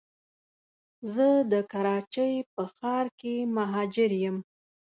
زه د کراچی په ښار کي مهاجر یم